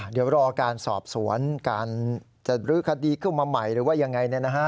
เดี๋ยวรอการสอบสวนการจัดรึกคติเข้ามาใหม่หรือว่ายังไงเนี่ยนะฮะ